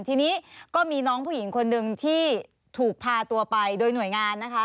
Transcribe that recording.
ทีนี้ก็มีน้องผู้หญิงคนหนึ่งที่ถูกพาตัวไปโดยหน่วยงานนะคะ